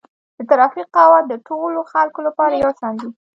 د ترافیک قواعد د ټولو خلکو لپاره یو شان دي.